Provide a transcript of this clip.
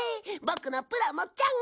ボクのプラモちゃん！